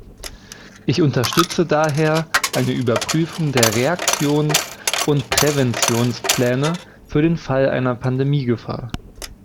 Ich unterstütze daher eine Überprüfung der Reaktions- und Präventionspläne für den Fall einer Pandemiegefahr.